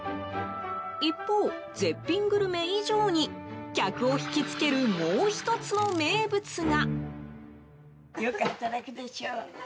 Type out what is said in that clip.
一方、絶品グルメ以上に客を引き付けるもう１つの名物が。